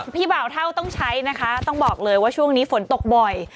บ่าวเท่าต้องใช้นะคะต้องบอกเลยว่าช่วงนี้ฝนตกบ่อย